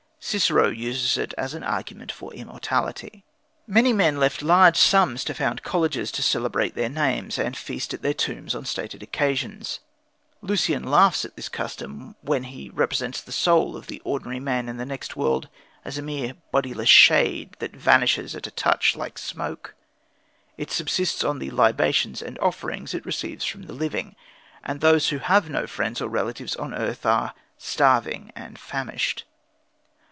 Cicero uses it as an argument for immortality. Many men left large sums to found colleges to celebrate their memories and feast at their tombs on stated occasions. Lucian laughs at this custom when he represents the soul of the ordinary man in the next world as a mere bodiless shade that vanishes at a touch like smoke. It subsists on the libations and offerings it receives from the living, and those who have no friends or relatives on earth are starving and famished.